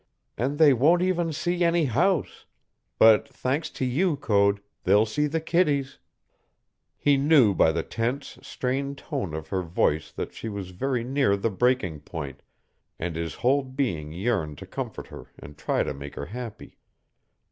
And they won't even see any house; but, thanks to you, Code, they'll see the kiddies." He knew by the tense, strained tone of her voice that she was very near the breaking point, and his whole being yearned to comfort her and try to make her happy.